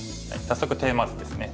早速テーマ図ですね。